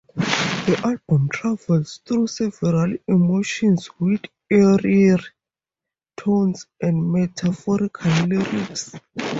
The album travels through several emotions with eerie tones and metaphorical lyrics.